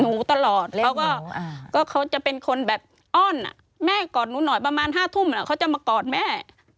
ตลอดเลยเขาก็เขาจะเป็นคนแบบอ้อนแม่กอดหนูหน่อยประมาณ๕ทุ่มเขาจะมากอดแม่